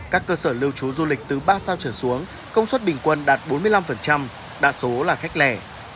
các cơ sở lưu trú du lịch từ ba sao trở xuống công suất bình quân đạt bốn mươi năm đa số là khách lẻ